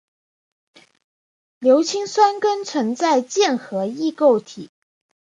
硫氰酸根存在键合异构体。